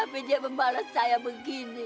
tapi dia membalas saya begini